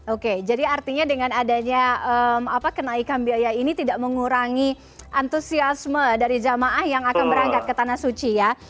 oke jadi artinya dengan adanya kenaikan biaya ini tidak mengurangi antusiasme dari jamaah yang akan berangkat ke tanah suci ya